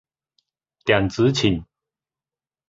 電子秤